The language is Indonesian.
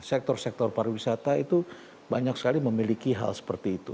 sektor sektor pariwisata itu banyak sekali memiliki hal seperti itu